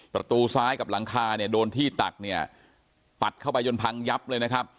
ประตูซ้ายกับหลังคาเนี่ยโดนที่ตักเนี่ยปัดเข้าไปจนพังยับเลยนะครับ